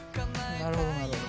なるほどなるほど。